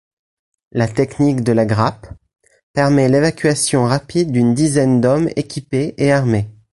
La technique de la grappe: permet l'évacuation rapide d'une dizaine d'hommes équipés et armés.